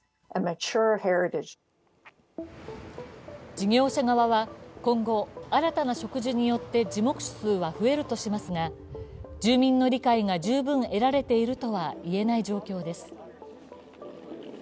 事業者側は今後、新たな植樹によって樹木数は増えるとしますが、住民の理解が十分得られているとは言えない状況です。